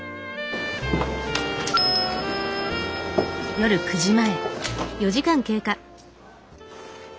夜９時前。